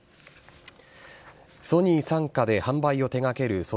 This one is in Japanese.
ソニー傘下で販売を手がける